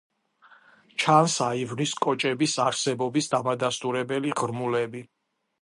ჩანს აივნის კოჭების არსებობის დამადასტურებელი ღრმულები.